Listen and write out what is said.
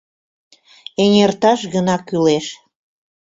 Эҥерташ гына кӱлеш...